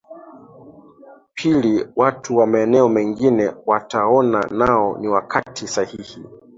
pili watu wa maeneo mengine wataona nao ni wakati sahihi